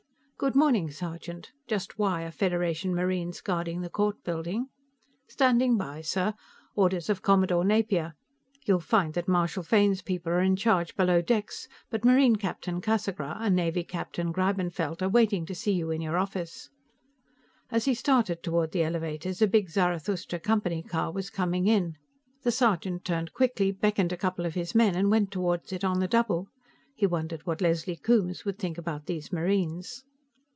"Good morning, sergeant. Just why are Federation Marines guarding the court building?" "Standing by, sir. Orders of Commodore Napier. You'll find that Marshal Fane's people are in charge below decks, but Marine Captain Casagra and Navy Captain Greibenfeld are waiting to see you in your office." As he started toward the elevators, a big Zarathustra Company car was coming in. The sergeant turned quickly, beckoned a couple of his men and went toward it on the double. He wondered what Leslie Coombes would think about those Marines.